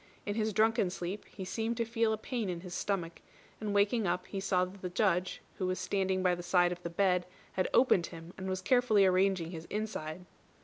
In his drunken sleep he seemed to feel a pain in his stomach, and waking up he saw that the Judge, who was standing by the side of the bed, had opened him, and was carefully arranging his inside.